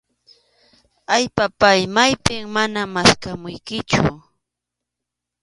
Ay, papáy, maypim mana maskhamuykichu.